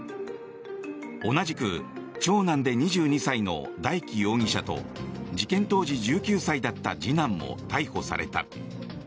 同じく長男で２２歳の大祈容疑者と事件当時１９歳だった次男も逮捕された。